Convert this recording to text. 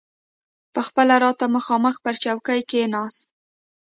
پخپله راته مخامخ پر چوکۍ کښېناست.